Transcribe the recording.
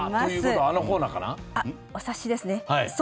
お察しですね。